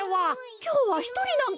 きょうはひとりなんか？